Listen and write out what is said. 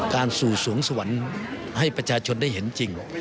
สู่สวงสวรรค์ให้ประชาชนได้เห็นจริง